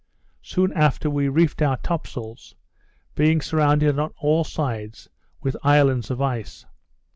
Soon after we reefed our top sails, being surrounded on all sides with islands of ice.